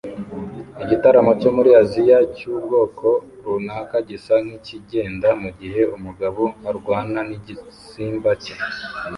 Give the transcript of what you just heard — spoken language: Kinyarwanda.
Igitaramo cyo muri Aziya cyubwoko runaka gisa nkikigenda mugihe umugabo arwana nigisimba cye